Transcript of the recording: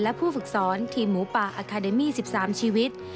และผู้ฝึกสอนทีมหมูป่าอาคาเดมี่๑๓ชีวิต